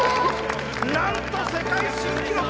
なんと世界新記録！